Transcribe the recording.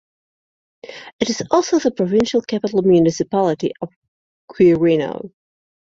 It is also the provincial capital municipality of Quirino.